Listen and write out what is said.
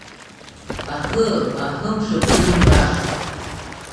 Аҳы, аҳыы мшаԥы зымбаша!